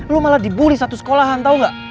lu malah dibully satu sekolahan tau gak